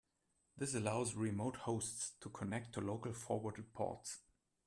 This allows remote hosts to connect to local forwarded ports.